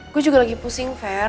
gue juga lagi pusing fair